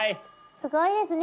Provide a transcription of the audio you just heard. すごいですね